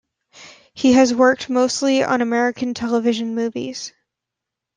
He has worked mostly on American television movies.